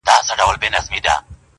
د جبر او اختیار په دیالکتیکي مخامختیا